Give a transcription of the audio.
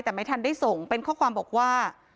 แต่ไม่ทันได้ส่งเป็นข้อความบอกว่า